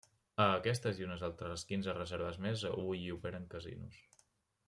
A aquestes i a unes altres quinze reserves més avui hi operen casinos.